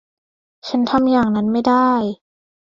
ฉันทำอย่างนั้นไม่ได้